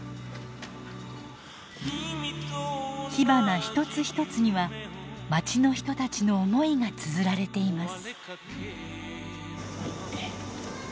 火花一つ一つにはまちの人たちの思いがつづられています。